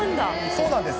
そうなんです。